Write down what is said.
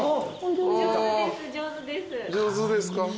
上手ですか？